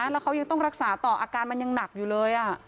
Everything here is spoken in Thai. แล้วเขายังต้องรักษาต่ออาการมันยังหนักอยู่เลย